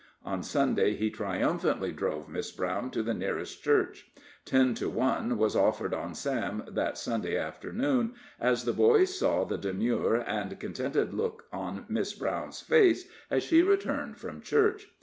On Sunday he triumphantly drove Miss Brown to the nearest church. Ten to one was offered on Sam that Sunday afternoon, as the boys saw the demure and contented look on Miss Brown's face as she returned from church.